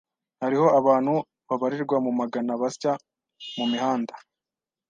Hariho abantu babarirwa mu magana basya mu mihanda.